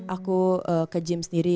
aku ke gym sendiri